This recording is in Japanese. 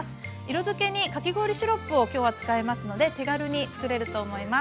色づけにかき氷シロップを今日は使いますので手軽につくれると思います。